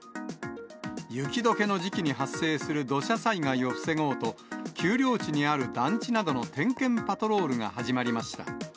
雪どけの時期に発生する土砂災害を防ごうと、丘陵地にある団地などの点検パトロールが始まりました。